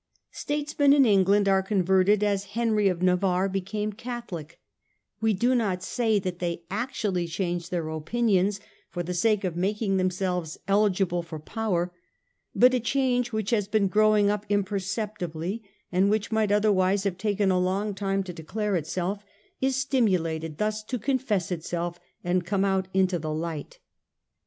Statesmen in England are converted as Henry of Navarre became Catholic : we do not say that they actually change their opinions for the sake of making themselves eligible for power, but a change which has been growing up imperceptibly, and which might otherwise have taken a long time to declare itself, is stimulated thus to confess itself and come out into the fight.